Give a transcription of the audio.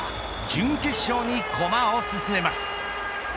準決勝に駒を進めます。